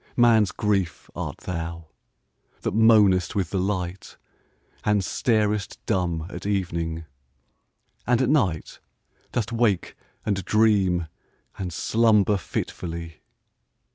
Man's Grief art thou, that moanest with the light, And starest dumb at evening — and at night Dost wake and dream and slumber fitfully